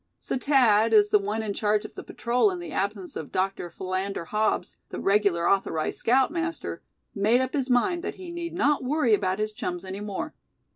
So Thad, as the one in charge of the patrol in the absence of Dr. Philander Hobbs, the regular authorized scoutmaster, made up his mind that he need not worry about his chums any more.